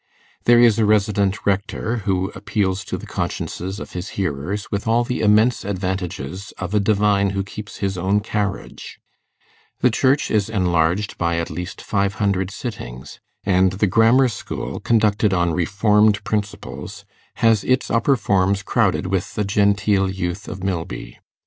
There is a resident rector, who appeals to the consciences of his hearers with all the immense advantages of a divine who keeps his own carriage; the church is enlarged by at least five hundred sittings; and the grammar school, conducted on reformed principles, has its upper forms crowded with the genteel youth of Milby.